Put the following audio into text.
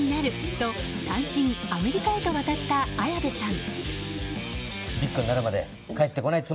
と単身、アメリカへと渡った綾部さん。